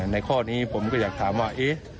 ในข้อนี้ผมก็อยากถามว่า